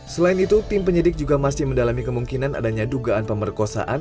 selain itu tim penyidik juga masih mendalami kemungkinan adanya dugaan pemerkosaan